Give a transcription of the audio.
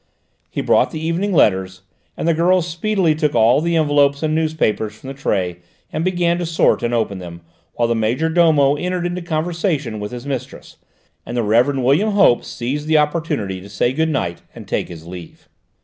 He brought the evening letters, and the girls speedily took all the envelopes and newspapers from the tray and began to sort and open them, while the major domo entered into conversation with his mistress, and the Rev. William Hope seized the opportunity to say good night, and take his leave.